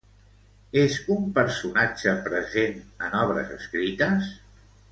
És un personatge present en obres escrites?